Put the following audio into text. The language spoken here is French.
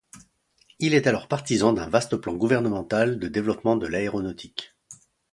Il est alors partisan d'un vaste plan gouvernemental de développement de l'aéronautique.